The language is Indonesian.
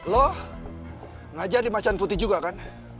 lo ngajar di masjid putih juga kan